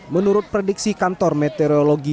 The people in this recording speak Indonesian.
menurut prediksi kantor meteorologi